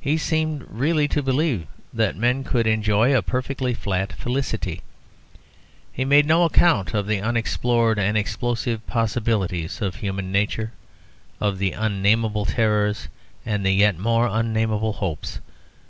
He seemed really to believe that men could enjoy a perfectly flat felicity. He made no account of the unexplored and explosive possibilities of human nature, of the unnameable terrors, and the yet more unnameable hopes.